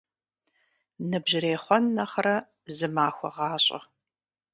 Ныбжьырей хъуэн нэхърэ зы махуэ гъащӀэ.